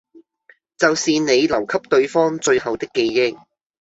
就是你留給對方最後的記憶